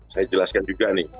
saya jelaskan juga nih